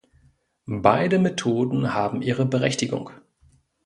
Beide Methoden haben ihre Berechtigung.